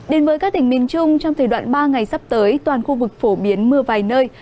đến với các tỉnh miền trung trong thời đoạn ba ngày sắp tới toàn khu vực phổ biến mưa vài nơi